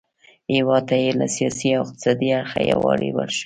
هیواد ته یې له سیاسي او اقتصادي اړخه یووالی وروباښه.